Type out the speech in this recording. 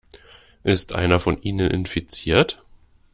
Ist einer von ihnen infiziert?